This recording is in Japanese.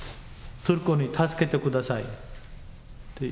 トルコに助けてください。